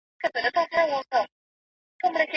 آیا د علم او پوهي لاره کله ختمیدای سي؟